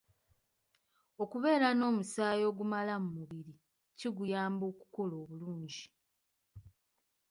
Okubeera n'omusaayi ogumala mu mubiri kiguyamba okukola obulungi.